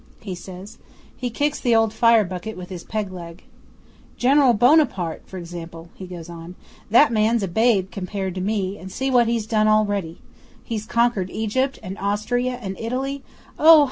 he says. He kicks the old fire bucket with his peg leg. "General Buonaparte, for example!" he goes on. "That man's a babe compared to me, and see what he's done already. He's conquered Egypt and Austria and Italy oh!